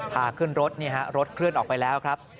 พาขึ้นรถรถเขลื่อนออกไปแล้ว